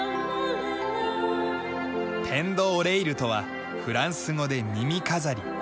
ペンド・オレイルとはフランス語で耳飾り。